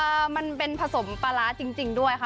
มันเป็นผสมปลาร้าจริงด้วยค่ะ